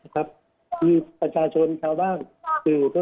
ที่ประชาชนชาวบ้านเถอะไปเนี่ย